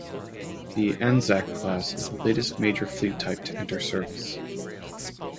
The "Anzac" class is the latest major fleet type to enter service.